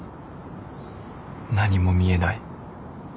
何も見えない